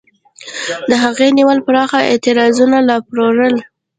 د هغې نیولو پراخ اعتراضونه را وپارول.